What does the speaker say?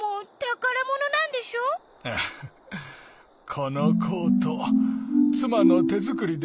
このコートつまのてづくりでね